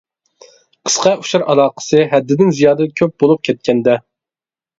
قىسقا ئۇچۇر ئالاقىسى ھەددىدىن زىيادە كۆپ بولۇپ كەتكەندە.